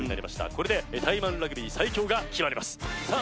これでタイマンラグビー最強が決まりますさあ